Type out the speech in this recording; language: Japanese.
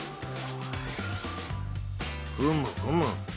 ふむふむ。